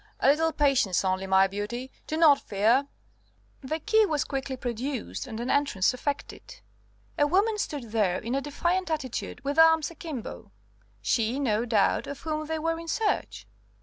A little patience only, my beauty. Do not fear." The key was quickly produced, and an entrance effected. A woman stood there in a defiant attitude, with arms akimbo; she, no doubt, of whom they were in search.